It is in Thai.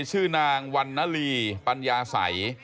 ชื่อนางวันนาลีปัญญาสัย